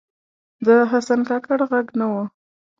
د حسن کاکړ ږغ نه و